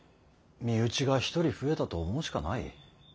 身内が一人増えたと思うしかない。